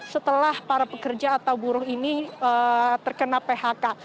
setelah para pekerja atau buruh ini terkena phk